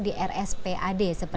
di rs pad seperti